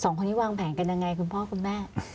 สองคนนี้วางแผนกันยังไงคุณพ่อคุณแม่